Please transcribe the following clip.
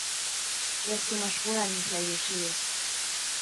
لستُ مشغولًا مثل يوشيو.